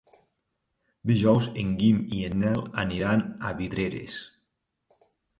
Dijous en Guim i en Nel aniran a Vidreres.